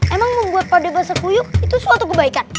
emang membuat pada basah kuyuk itu suatu kebaikan